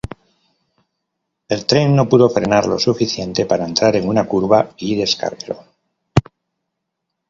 El tren no pudo frenar lo suficiente para entrar en una curva y descarriló.